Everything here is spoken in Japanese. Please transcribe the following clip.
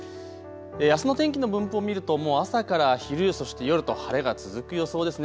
あすの天気の分布を見るともう朝から昼、そして夜と晴れが続く予想です。